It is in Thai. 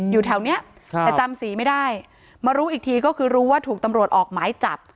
อยู่แถวนี้แต่จำสีไม่ได้มารู้อีกทีก็คือรู้ว่าถูกตำรวจออกหมายจับ